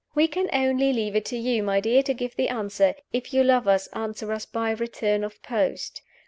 We can only leave it to you, my dear, to give the answer. If you love us, answer us by return of post.